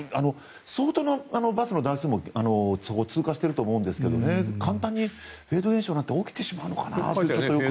相当なバスの台数も、そこを通過していると思うんですけど簡単にフェード現象なんて起きてしまうのかなと。